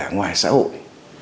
ngoài xã hội